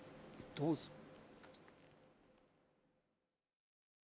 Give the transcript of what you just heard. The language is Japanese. どうぞ。